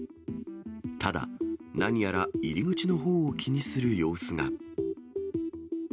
ただ、何やら入り口のほうを気にする様子が。